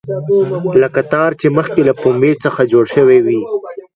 لکه تار چې مخکې له پنبې څخه جوړ شوی وي.